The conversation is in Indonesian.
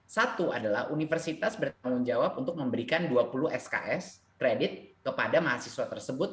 satu adalah universitas bertanggung jawab untuk memberikan dua puluh sks kredit kepada mahasiswa tersebut